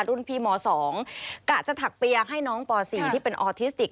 รุ่นพี่หมอสองกะจะถักเปียงให้น้องป่อสี่ที่เป็นออทิสติก